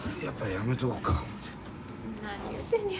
やっぱりやめとこか思て。